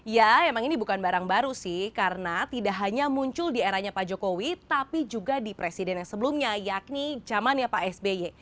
ya emang ini bukan barang baru sih karena tidak hanya muncul di eranya pak jokowi tapi juga di presiden yang sebelumnya yakni zamannya pak sby